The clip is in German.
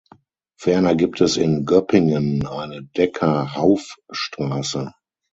Ferner gibt es in Göppingen eine Decker-Hauff-Straße.